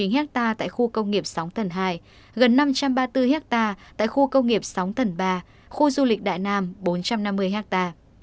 hai trăm bảy mươi chín ha tại khu công nghiệp sóng tầng hai gần năm trăm ba mươi bốn ha tại khu công nghiệp sóng tầng ba khu du lịch đại nam bốn trăm năm mươi ha